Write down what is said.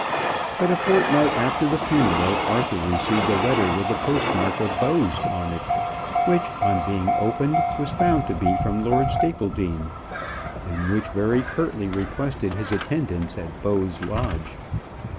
But a fortnight after the funeral, Arthur received a letter with the postmark of Bowes on it, which, on being opened, was found to be from Lord Stapledean, and which very curtly requested his attendance at Bowes Lodge.